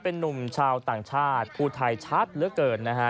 เป็นนุ่มชาวต่างชาติพูดไทยชัดเหลือเกินนะฮะ